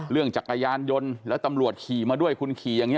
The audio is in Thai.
จักรยานยนต์แล้วตำรวจขี่มาด้วยคุณขี่อย่างนี้